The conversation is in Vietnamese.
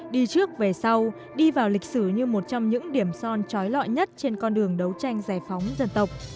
đi trước về sau đi vào lịch sử như một trong những điểm son trói lọi nhất trên con đường đấu tranh giải phóng dân tộc